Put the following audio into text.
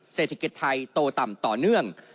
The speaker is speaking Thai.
เศรษฐกิจไทยโตต่ำต่อเนื่อง